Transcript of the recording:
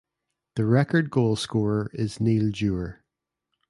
The record goalscorer is Neil Dewar.